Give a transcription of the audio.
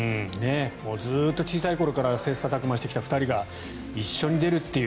ずっと小さい頃から切磋琢磨してきた２人が一緒に出るという。